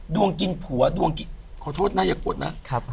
กินผัวดวงกินขอโทษนะอย่ากดนะ